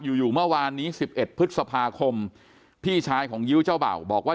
อยู่อยู่เมื่อวานนี้๑๑พฤษภาคมพี่ชายของยิ้วเจ้าเบ่าบอกว่า